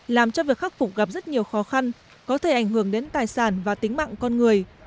làm cho việc khắc phục gặp rất nhiều khó khăn có thể ảnh hưởng đến tài sản và tính mạng con người